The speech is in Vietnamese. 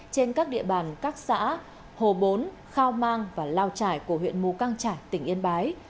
trên các địa bàn các xã hồ bốn khao mang và lao trải của huyện mù căng trải tỉnh yên bái